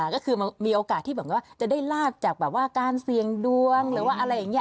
ก็คือมีโอกาสที่จะได้ลาบจากการเสียงดวงหรือว่าอะไรอย่างเงี้ย